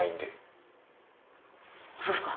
あっそうっすか。